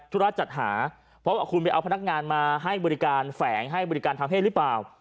ธุระจัดหาเพราะว่าคุณไปเอาพนักงานมาให้บริการแฝงให้บริการทางเพศหรือเปล่า